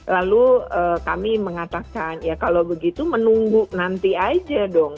lalu kami mengatakan ya kalau begitu menunggu nanti aja dong